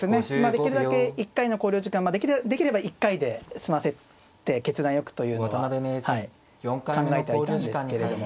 できるだけ１回の考慮時間まあできれば１回で済ませて決断よくというのは考えてはいたんですけれども。